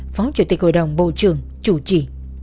phó chủ tịch hội đồng bộ trưởng chủ trì